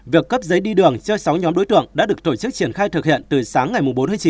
việc cấp giấy đi đường cho sáu nhóm đối tượng đã được tổ chức triển khai thực hiện từ sáng ngày bốn tháng chín